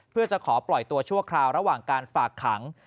เพื่อจะขอปล่อยตัวชั่วคราวระหว่างการฝากขัง